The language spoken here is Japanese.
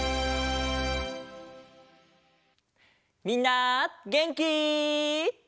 みんなげんき？